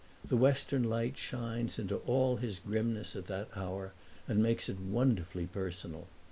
The western light shines into all his grimness at that hour and makes it wonderfully personal.